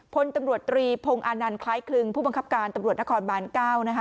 พลตำรวจตรีพงศ์อานันต์คล้ายคลึงผู้บังคับการตำรวจนครบาน๙นะคะ